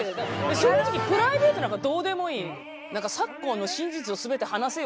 正直プライベートなんかどうでもいい。